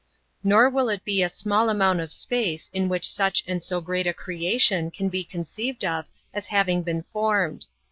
Nor will it be a small amount of space in which such and so great a creation can be conceived of as having been formed.